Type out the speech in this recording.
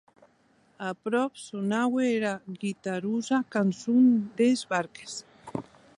Aprop sonaue era guiterosa cançon d’uns barquèrs.